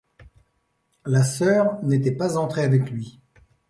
La sœur n’était pas entrée avec lui.